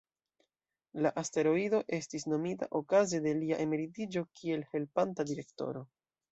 La asteroido estis nomita okaze de lia emeritiĝo kiel helpanta direktoro.